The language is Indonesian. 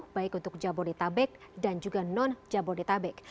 baik untuk jabodetabek dan juga non jabodetabek